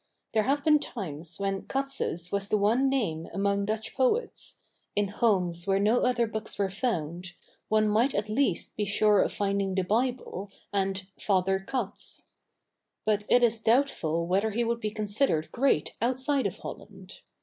There have been times when Cats's was the one name among Dutch poets; in homes where no other books were found, one might at least be sure of finding the Bible and "Father Cats." But it is doubtful whether he would be considered great outside of Holland.